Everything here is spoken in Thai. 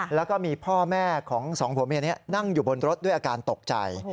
แล้วก็มีพ่อแม่ของสองผัวเมียนี้นั่งอยู่บนรถด้วยอาการตกใจ